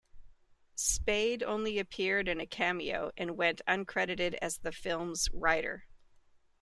Spede only appeared in a cameo and went uncredited as the film's writer.